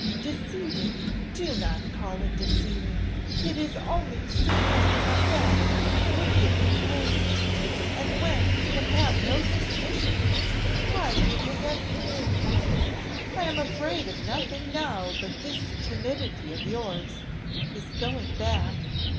"Deceiving! do not call it deceiving, it is only suppressing a fact that would give him pain; and when he can have no suspicion, why give him that pain? I am afraid of nothing now but this timidity of yours this going back.